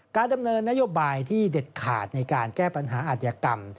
การดำเนินนโยบายที่เด็ดขาดในการแก้ปัญหาอัธยกรรม